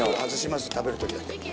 食べるときだけ。